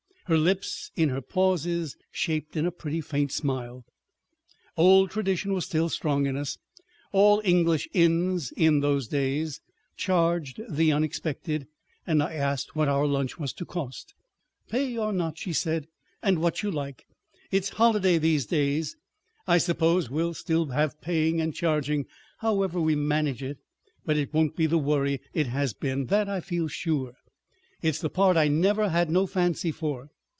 Her lips in her pauses shaped in a pretty faint smile. Old tradition was strong in us; all English inns in those days charged the unexpected, and I asked what our lunch was to cost. "Pay or not," she said, "and what you like. It's holiday these days. I suppose we'll still have paying and charging, however we manage it, but it won't be the worry it has been—that I feel sure. It's the part I never had no fancy for.